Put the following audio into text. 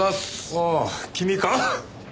ああ君か。